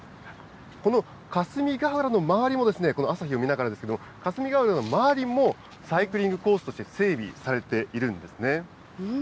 この霞ヶ浦の周りも、この朝日を見ながらですけれども、霞ヶ浦の周りも、サイクリングコースとして整備されているんですね。